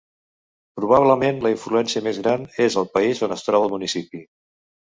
Probablement, la influència més gran és el país on es troba el municipi.